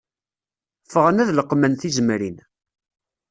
Ffɣen ad leqmen tizemrin